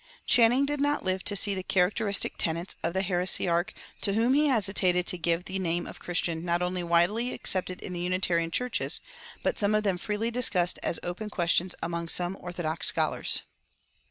Channing did not live to see the characteristic tenets of the heresiarch to whom he hesitated to give the name of Christian not only widely accepted in the Unitarian churches, but some of them freely discussed as open questions among some orthodox scholars.